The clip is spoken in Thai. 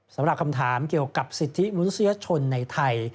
สำหรับคำถามเกี่ยวกับสิทธิมนุษยชนในไทย